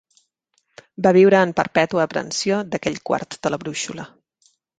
Va viure en perpetua aprensió d'aquell quart de la brúixola.